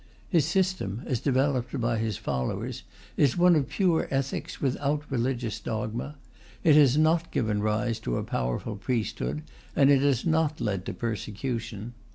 His system, as developed by his followers, is one of pure ethics, without religious dogma; it has not given rise to a powerful priesthood, and it has not led to persecution.